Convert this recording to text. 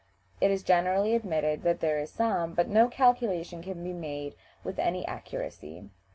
It is generally admitted that there is some, but no calculation can be made with any accuracy.